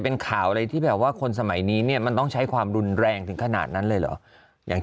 เป็นข่าวอะไรที่แบบว่าคนสมัยนี้เนี่ยมันต้องใช้ความรุนแรงถึงขนาดนั้นเลยเหรออย่าง